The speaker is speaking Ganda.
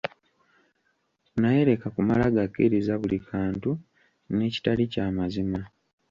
Naye leka kumala gakkiriza buli kantu n'ekitali kya mazima.